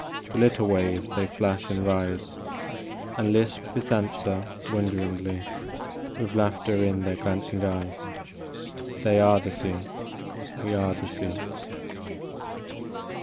The little waves they flash and rise, And lisp this answer wonderingly, With laughter in their glancing eyes : "They are the sea we are the sea."